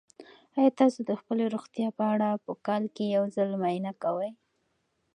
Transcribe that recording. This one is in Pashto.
آیا تاسو د خپلې روغتیا په اړه په کال کې یو ځل معاینه کوئ؟